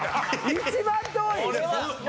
一番遠い。